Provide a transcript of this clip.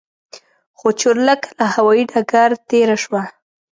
خو چورلکه له هوايي ډګر تېره شوه.